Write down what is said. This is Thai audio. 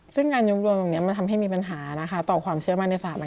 เรื่องการยุคโดยมันทำให้มีปัญหานะคะต่อความเชื่อมาในสถานกษัตริย์